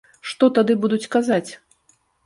Што тады будуць казаць?